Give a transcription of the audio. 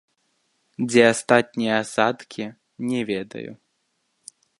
Дзе астатнія асадкі, не ведаю.